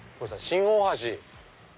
「新大橋」。